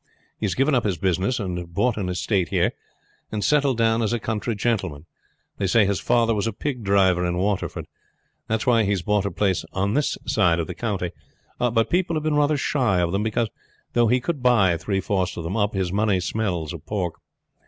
He has given up his business and bought an estate here, and settled down as a country gentleman. They say his father was a pig driver in Waterford. That's why he has bought a place on this side of the county. But people have been rather shy of them; because, though he could buy three fourths of them up, his money smells of pork.